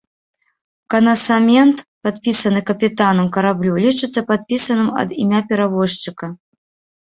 Канасамент, падпісаны капітанам караблю, лічыцца падпісаным ад імя перавозчыка.